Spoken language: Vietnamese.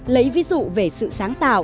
lấy ví dụ về sự sáng tạo